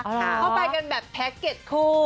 เข้าไปกันแบบแพ็คเก็ตคู่